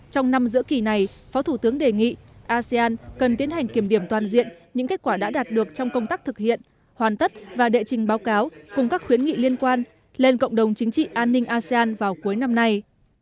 trong năm giữa kỳ này phó thủ tướng đề nghị asean cần tiến hành kiểm điểm toàn diện những kết quả đã đạt được trong công tác thực hiện hoàn tất và đệ trình báo cáo cùng các khuyến nghị liên quan lên cộng đồng chính trị an ninh asean vào cuối năm nay